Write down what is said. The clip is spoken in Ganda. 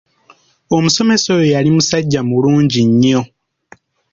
Omusomesa oyo yali musajja mulungi nnyo.